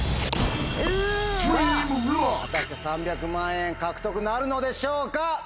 さぁ果たして３００万円獲得なるのでしょうか？